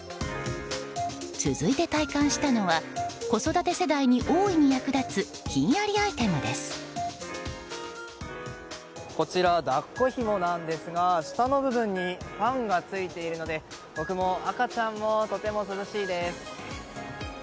続いて体感したのは子育て世代に大いに役立つこちら、抱っこひもなんですが下の部分にファンがついているので僕も、赤ちゃんもとても涼しいです。